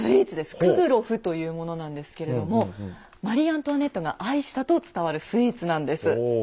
「クグロフ」というものなんですけれどもマリ・アントワネットが愛したと伝わるスイーツなんです。